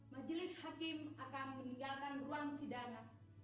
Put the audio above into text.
majelis hakim akan meninggalkan ruang sidang